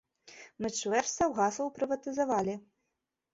Мы чвэрць саўгасаў прыватызавалі.